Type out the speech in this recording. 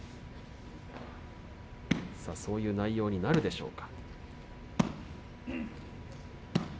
そういう内容になるでしょうか。